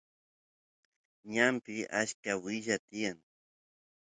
ñanpi achka willa tiyan